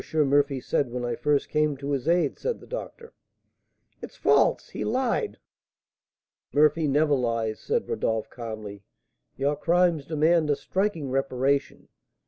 Murphy said when I first came to his aid," said the doctor. "It's false! He lied!" "Murphy never lies," said Rodolph, calmly. "Your crimes demand a striking reparation.